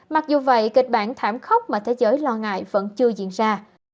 mặc dù vậy kịch bản thảm khốc mà thế giới lo ngại vẫn chưa diễn ra